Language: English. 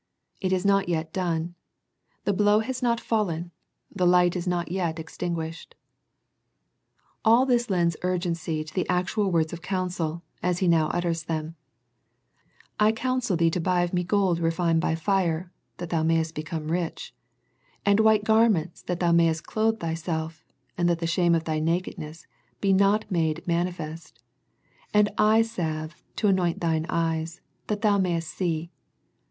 It is not yet done. The blow has not fallen. The light is not yet extinguished. All this lends urgency to the actual words of counsel, as He now utters them, I counsel thee to buy of Me gold refined by fire, that thou mayest become rich ; and white garments that thou mayest clothe thyself, and that the shame of thy nakedness be not made mani fest; and eye salve to anoint thine eyes, that thou mayest see."